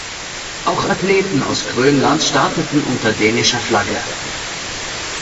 Auch Athleten aus Grönland starteten unter dänischer Flagge.